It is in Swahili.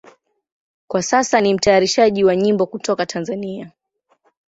Kwa sasa ni mtayarishaji wa nyimbo kutoka Tanzania.